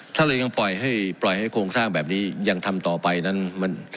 ถ้าเรายังปล่อยให้ปล่อยให้โครงสร้างแบบนี้ยังทำต่อไปนั้น